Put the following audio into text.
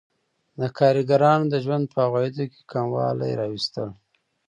د کارګرانو د ژوند په عوایدو کې کموالی راوستل